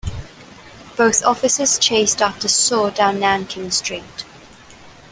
Both officers chased after Soh down Nankin Street.